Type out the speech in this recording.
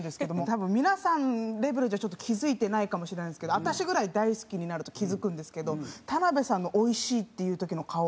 多分皆さんレベルじゃちょっと気付いてないかもしれないんですけど私ぐらい大好きになると気付くんですけど田辺さんの「おいしい」って言う時の顔